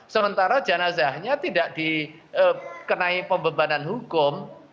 sementara jenazahnya tidak dikenai pembebanan hukum